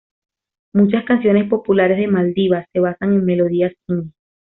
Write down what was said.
Muchas canciones populares de Maldivas se basan en melodías hindi.